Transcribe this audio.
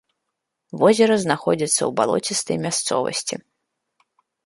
Возера знаходзіцца ў балоцістай мясцовасці.